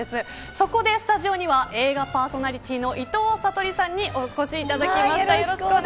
そこでスタジオには映画パーソナリティーの伊藤さとりさんにお越しいただきました。